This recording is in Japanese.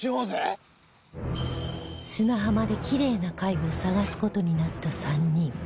砂浜でキレイな貝を探す事になった３人